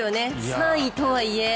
３位とはいえ。